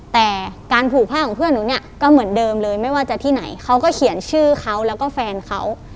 แต่การผูกผ้าของเพื่อนหนูเนี่ยก็เหมือนเดิมเลยไม่ว่าจะที่ไหนเขาก็เขียนชื่อเขาแล้วก็แฟนเขา